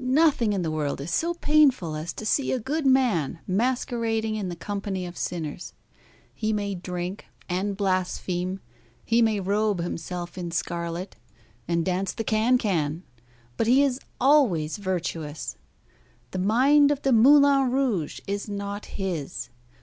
Nothing in the world is so painful as to see a good man masquerading in the company of sinners. He may drink and blaspheme, he may robe himself in scarlet, and dance the can can, but he is always virtuous. The mind of the moulin rouge is not his.